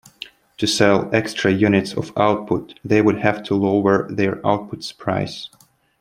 To sell extra units of output, they would have to lower their output's price.